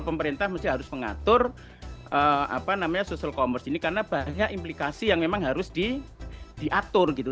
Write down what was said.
pemerintah harus mengatur social commerce ini karena banyak implikasi yang memang harus diatur gitu